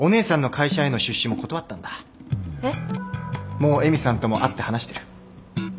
もう絵美さんとも会って話してる。